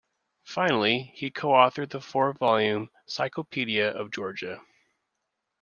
Finally, he co-authored the four-volume "Cyclopedia of Georgia".